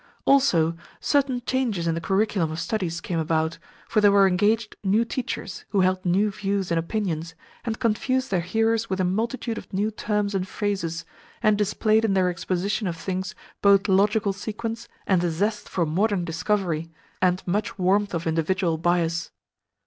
Also, certain changes in the curriculum of studies came about, for there were engaged new teachers who held new views and opinions, and confused their hearers with a multitude of new terms and phrases, and displayed in their exposition of things both logical sequence and a zest for modern discovery and much warmth of individual bias.